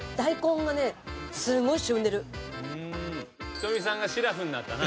仁美さんがしらふになったな。